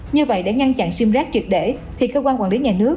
như vậy để ngăn chặn sim rác trực để thì cơ quan quản lý nhà nước